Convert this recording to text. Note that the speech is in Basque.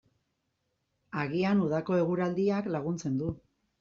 Agian udako eguraldiak laguntzen du.